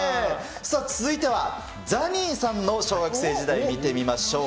さあ、続いてはザニーさんの小学生時代見てみましょう。